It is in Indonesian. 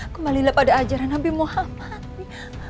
kembalilah pada ajaran nabi muhammad